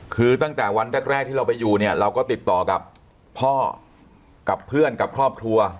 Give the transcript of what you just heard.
คือตั้งแต่วันแรกที่เราไปอยู่เนี่ยเราก็ติดต่อกับพ่อกับเพื่อนกับครอบครัว